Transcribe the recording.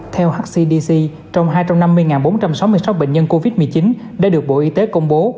theo hcdc trong hai trăm năm mươi bốn trăm sáu mươi sáu bệnh nhân covid một mươi chín đã được bộ y tế công bố